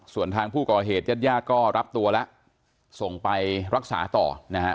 ส่วนทางผู้ก่อเหตุญาติญาติก็รับตัวแล้วส่งไปรักษาต่อนะครับ